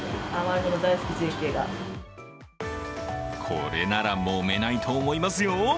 これならもめないと思いますよ。